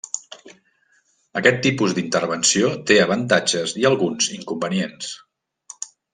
Aquest tipus d'intervenció té avantatges i alguns inconvenients.